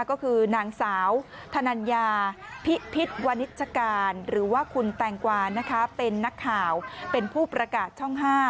ก็คือนางสาวธนัญญาพิพิษวนิชการหรือว่าคุณแตงกวานะคะเป็นนักข่าวเป็นผู้ประกาศช่อง๕